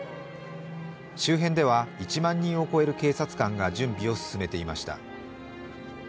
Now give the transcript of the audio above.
周辺では１万人を超える警察官が準備を進めていました。